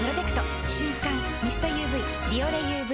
瞬感ミストＵＶ「ビオレＵＶ」